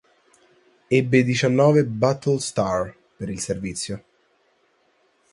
Ebbe diciannove Battle Star per il servizio.